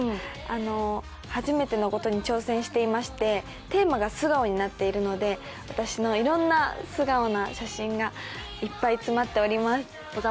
初めてのことに挑戦していまして、テーマが「素顔」になっているので私のいろんな素顔の写真がいっぱい詰まっております。